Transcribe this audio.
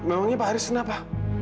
emangnya pak haris kenapa